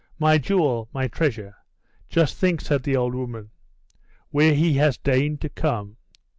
My jewel, my treasure. Just think," said the old woman, "where he has deigned to come.